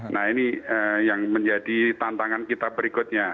nah ini yang menjadi tantangan kita berikutnya